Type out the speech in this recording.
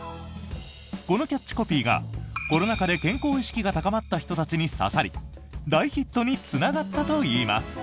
このキャッチコピーがコロナ禍で健康意識が高まった人たちに刺さり大ヒットにつながったといいます。